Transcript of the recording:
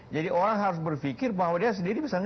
jadi orang harus berfikir bahwa dia sendiri bisa kena